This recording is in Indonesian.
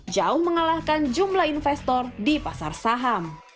jauh mengalahkan jumlah investor di pasar saham